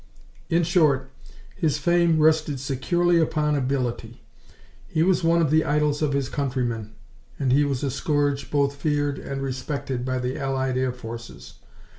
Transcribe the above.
In short, his fame rested securely upon ability. He was one of the idols of his countrymen, and he was a scourge both feared and respected by the allied air forces.